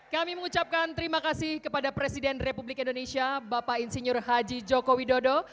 kami mengucapkan terima kasih kepada presiden republik indonesia bapak insinyur haji joko widodo